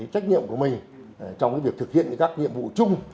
trách nhiệm của mình trong việc thực hiện các nhiệm vụ chung